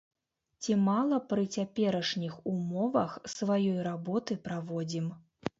Ці мала пры цяперашніх умовах сваёй работы праводзім?